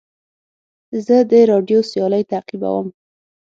زه د راډیو سیالۍ تعقیبوم.